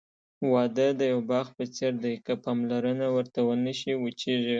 واده د یوه باغ په څېر دی، که پاملرنه ورته ونشي، وچېږي.